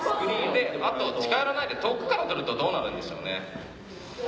あと近寄らないで遠くから撮るとどうなるんでしょうね。